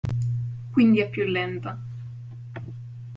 Quindi è più lenta.